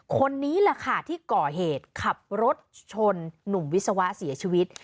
คนนี้แหละค่ะที่ก่อเหตุขับรถชนหนุ่มวิศวะเสียชีวิต